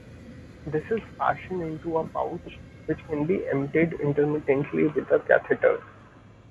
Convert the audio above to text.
This is fashioned into a pouch, which can be emptied intermittently with a catheter.